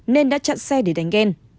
nên đã chặn xe để đánh ghen